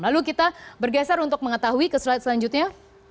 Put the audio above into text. lalu kita bergeser untuk mengetahui ke slide selanjutnya